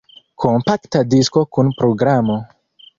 Kompakta disko kun programo.